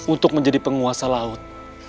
untuk menjadi penguasa laut